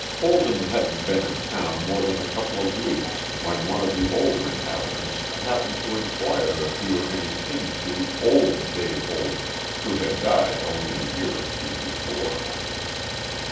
Holden hadn't been in town more than a couple of weeks when one of the older inhabitants happened to inquire if he were any kin to "Old Dave Holden," who had died only a year or two before.